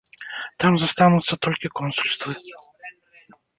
Там застануцца толькі консульствы.